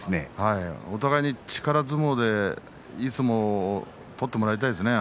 お互いに力相撲でいい相撲を取ってもらいたいですね。